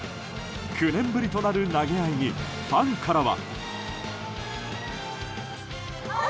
９年ぶりとなる投げ合いにファンからは。